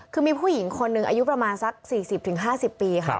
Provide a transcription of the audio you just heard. คือมีผู้หญิงคนหนึ่งอายุประมาณสัก๔๐๕๐ปีค่ะ